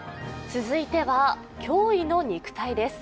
続いては驚異の肉体です。